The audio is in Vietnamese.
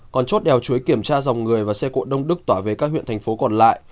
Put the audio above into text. còn chốt đèo chuối kiểm tra dòng người và xe cộ đông đức tỏa về các huyện thành phố còn lại